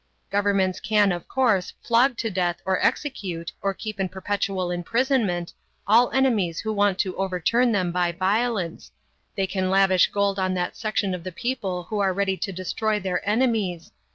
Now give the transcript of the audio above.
Governments can of course flog to death or execute or keep in perpetual imprisonment all enemies who want to overturn them by violence, they can lavish gold on that section of the people who are ready to destroy their enemies.